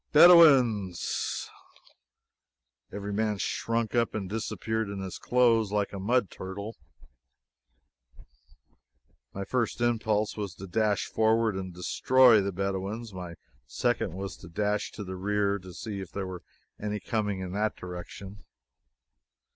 "Bedouins!" Every man shrunk up and disappeared in his clothes like a mud turtle. My first impulse was to dash forward and destroy the Bedouins. My second was to dash to the rear to see if there were any coming in that direction.